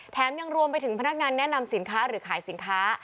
ยังรวมไปถึงพนักงานแนะนำสินค้าหรือขายสินค้า